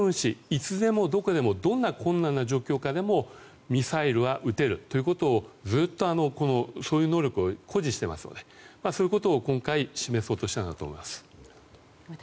いつでもどこでもどんな困難な状況下でもミサイルは撃てるということをずっとそういう能力を誇示していますのでそういうことを今回示そうとしたんだと思います。